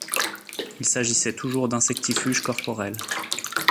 Il s'agissait toujours d'insectifuges corporels.